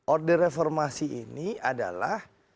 order reformasi ini adalah